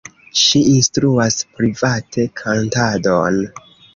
Ŝi instruas private kantadon.